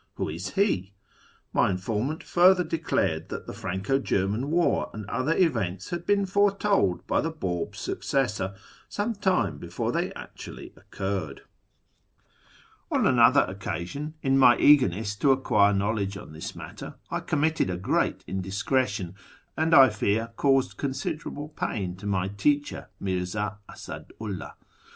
"(" Who is ' He '?") My informant further declared that the Franco German war and other events had been foretold by the Bab's successor ^ sometime before they actually occurred. On another occasion, in my eagerness to acquire know ledge on this matter, I committed a great indiscretion, and, I t'uar, caused considerable pain to my teacher, Mirza Asadu 'llah.